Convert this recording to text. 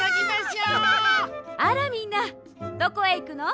あらみんなどこへいくの？